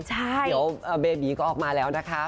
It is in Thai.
เดี๋ยวเบบีก็ออกมาแล้วนะคะ